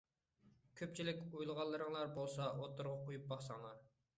كۆپچىلىك ئويلىغانلىرىڭلار بولسا ئوتتۇرىغا قويۇپ باقساڭلار!